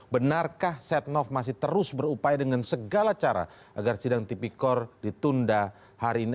benarkah setnov masih terus berupaya dengan segala cara agar sidang tipikor ditunda hari ini